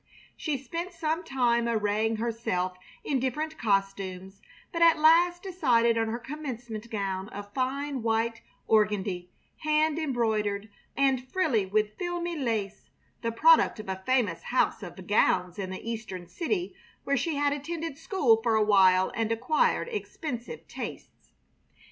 She spent some time arraying herself in different costumes, but at last decided on her Commencement gown of fine white organdie, hand embroidered and frilled with filmy lace, the product of a famous house of gowns in the Eastern city where she had attended school for a while and acquired expensive tastes.